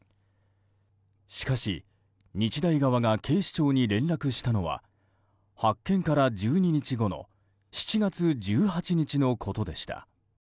しかし、日大側が警視庁に連絡したのは発見から１２日後の７月１８日のことでした。